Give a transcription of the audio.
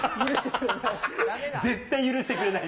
絶対許してくれない。